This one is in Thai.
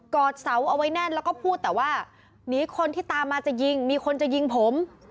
อดเสาเอาไว้แน่นแล้วก็พูดแต่ว่าหนีคนที่ตามมาจะยิงมีคนจะยิงผม